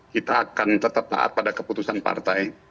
kita akan tetap taat pada keputusan partai